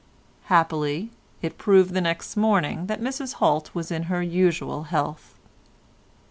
Happily it had proved next morning that Mrs Holt was in her usual health.